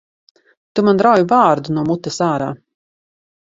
Tu man rauj vārdu no mutes ārā!